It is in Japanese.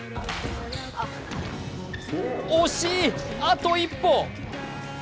惜しい、あと一歩！